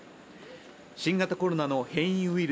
新型コロナの変異ウイル